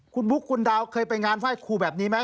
คุณบุ๊คคุณดาวเคยไปงานไหว้ครูแบบนี้ไหม